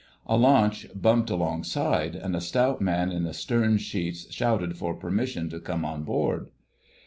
A launch bumped alongside, and a stout man in the stern sheets shouted for permission to come on board.